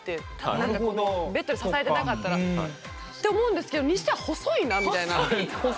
なんかベッドで支えてなかったら。って思うんですけどにしては細いなみたいな。